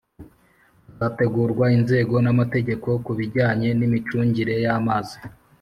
hazategurwa inzego n'amategeko ku bijyanye n'imicungire y'amazi.